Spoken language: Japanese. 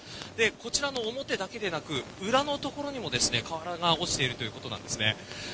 こちらの表だけでなく裏の所にも瓦が落ちているということです。